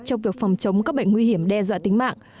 trong việc phòng chống các bệnh nguy hiểm đe dọa tính mạng